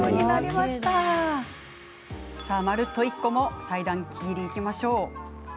まるっと１個も裁断機切りいきましょう。